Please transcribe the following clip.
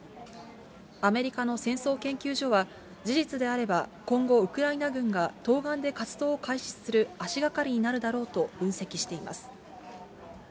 アメリカの戦争研究所は、事実であれば、今後、ウクライナ軍が東岸で活動を開始する足がかりになるだろうと分析しています。